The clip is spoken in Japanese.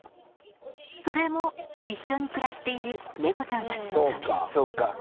それも一緒に暮らしている猫ちゃんたちのため。